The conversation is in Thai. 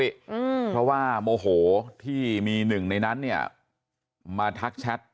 อืมเพราะว่าโมโหที่มีหนึ่งในนั้นเนี่ยมาทักแชท